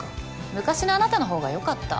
昔のあなたのほうが良かった。